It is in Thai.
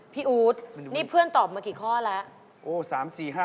อู๊ดนี่เพื่อนตอบมากี่ข้อแล้ว